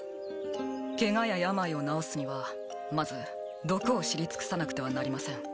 ケガや病を治すにはまず毒を知り尽くさなくてはなりません